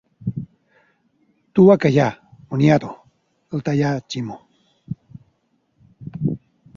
—Tu a callar! Moniato! –el tallà Ximo–.